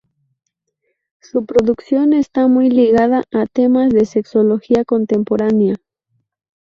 Su producción está muy ligada a temas de sexología contemporánea.